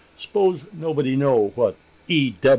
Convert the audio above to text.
"S'pose nobody know what E.